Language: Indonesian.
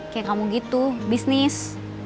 kayak kamu gitu bisnis